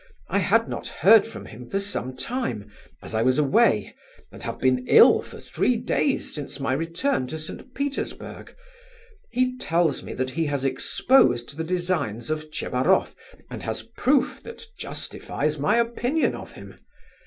I had not heard from him for some time, as I was away, and have been ill for three days since my return to St. Petersburg. He tells me that he has exposed the designs of Tchebaroff and has proof that justifies my opinion of him.